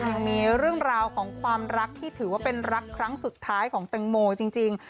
ยังมีเรื่องราวของความรักที่ถือว่าเป็นรักครั้งสุดท้ายของแตงโมจริง